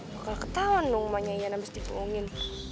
kok gak ketawa dong umanya ian abis dipungungin